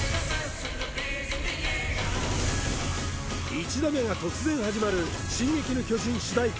１打目が突然始まる「進撃の巨人」主題歌